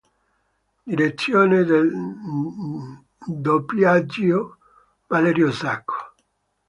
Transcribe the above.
Direzione del doppiaggio: Valerio Sacco